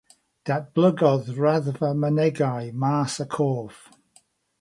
Datblygodd raddfa mynegai màs y corff.